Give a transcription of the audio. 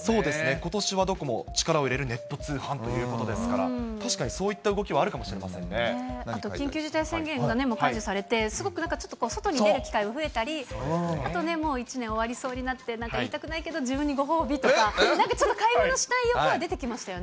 ことしはどこも力を入れるネット通販ということですから、確かにそういった動きはあるかもあと、緊急事態宣言が解除されて、すごくなんかちょっと外に出る機会が増えたり、あと、１年終わりそうになってなんか言いたくないけど自分にご褒美とか、なんかちょっと買い物したい意欲は出てきましたよね。